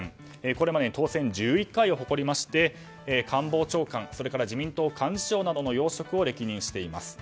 これまでに当選１１回を誇りまして官房長官、自民党幹事長などの要職を歴任しています。